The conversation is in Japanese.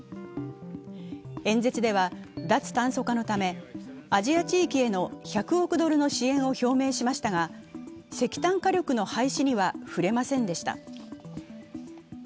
演説では、脱炭素化のため、アジア地域への１００億ドルの支援を表明しましたが石炭火力の廃止には触れませんでした。